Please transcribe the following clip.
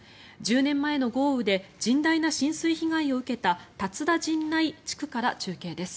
１０年前の豪雨で甚大な浸水被害を受けた龍田陣内地区から中継です。